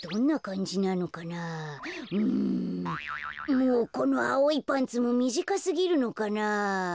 もうこのあおいパンツもみじかすぎるのかなあ。